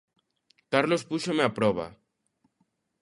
Carlos púxome a proba.